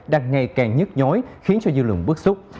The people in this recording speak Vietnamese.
đang ngày càng nhức nhối khiến cho dư luận bức xúc